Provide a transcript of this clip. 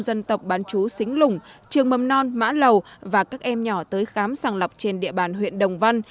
dân tộc bán chú xính lùng trường mầm non mã lầu và các em nhỏ tới khám sàng lọc trên địa bàn huyện đồng văn